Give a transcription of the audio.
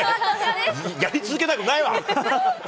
やり続けたくないわ！